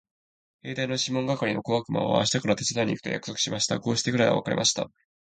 兵隊のシモン係の小悪魔は明日から手伝いに行くと約束しました。こうして彼等は別れました。